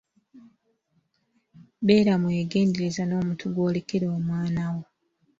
Beera mwegendereza n'omuntu gw'olekera omwana wo.